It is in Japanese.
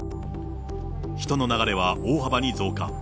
人の流れは大幅に増加。